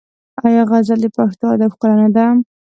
آیا غزل د پښتو ادب ښکلا نه ده؟